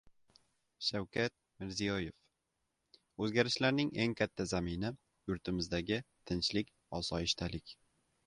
Shavkat Mirziyoyev: O‘zgarishlarning eng katta zamini - yurtimizdagi tinchlik-osoyishtalik